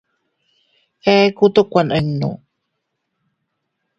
A ekutu kuaninu.